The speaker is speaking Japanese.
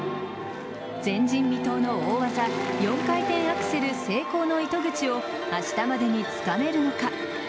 前人未到の大技４回転アクセル成功の糸口を明日までにつかめるのか。